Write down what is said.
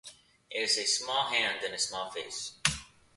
It is a small hand and a small face.